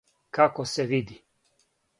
Како се види?